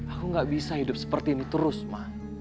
aku gak bisa hidup seperti ini terus mah